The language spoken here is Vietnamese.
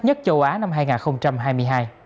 lễ hội ấm thực đặc sắc nhất châu á năm hai nghìn hai mươi hai